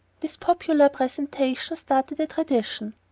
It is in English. This popular presentation started a tradition.